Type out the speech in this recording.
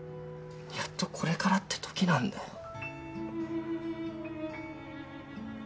やっとこれからってときなんだよ。